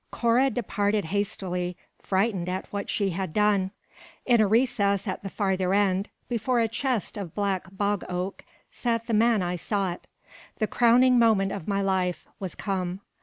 Cora departed hastily, frightened at what she had done. In a recess at the farther end, before a chest of black bog oak, sat the man I sought. The crowning moment of my life was come.